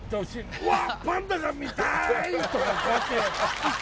うわっ！